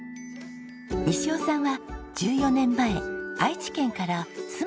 西尾さんは１４年前愛知県から妻のふるさと